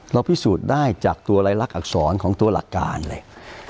พิสูจน์ได้จากตัวรายลักษรของตัวหลักการเลย